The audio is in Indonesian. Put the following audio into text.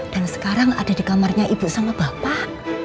dan sekarang ada di kamarnya ibu sama bapak